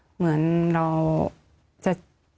เหมือนเราจะ